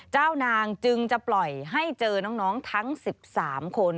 เจ้านางจึงจะปล่อยให้เจอน้องทั้ง๑๓คน